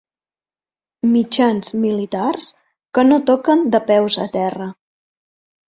Mitjans militars que no toquen de peus a terra.